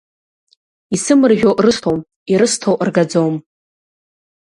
Исымыржәо рысҭом, ирысҭо ргаӡом.